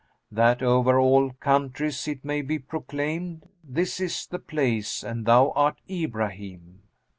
That o'er all countries it may be proclaimed, * This is the Place and thou art Ibrahim."